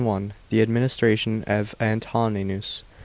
— THE ADMINISTRATION OF ANTONINUS.